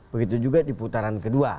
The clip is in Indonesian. begitu juga di putaran kedua